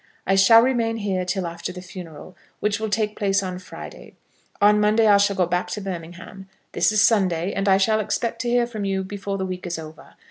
I shall remain here till after the funeral, which will take place on Friday. On Monday I shall go back to Birmingham. This is Sunday, and I shall expect to hear from you before the week is over.